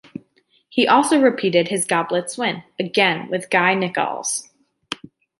He also repeated his Goblets win, again with Guy Nickalls.